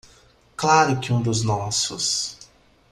Claro que um dos nossos